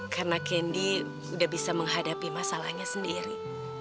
karena candy udah bisa menghadapi masalahnya sendiri